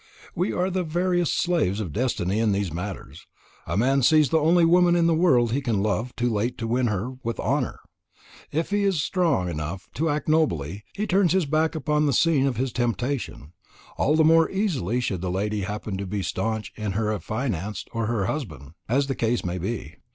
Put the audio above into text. "We are the veriest slaves of destiny in these matters. A man sees the only woman in the world he can love too late to win her with honour. If he is strong enough to act nobly, he turns his back upon the scene of his temptation, all the more easily should the lady happen to be staunch to her affianced, or her husband, as the case may be.